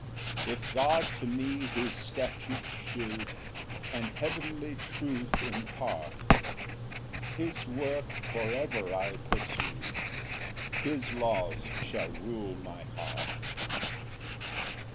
Ver. 33 34. 5 If God to me his statutes shew, And heavenly truth impart, His work for ever I'll pursue, His laws shall rule my heart.